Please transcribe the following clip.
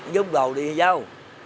giúp cầu đi giao